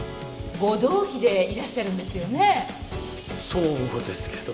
そうですけど。